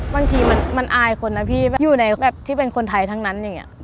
บางทีมันอายคนนะพี่อยู่ในแบบที่เป็นคนไทยทั้งนั้นอย่างนี้